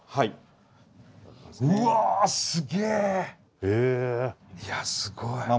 いやすごい。